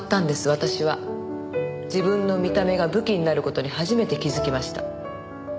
私は自分の見た目が武器になる事に初めて気づきました。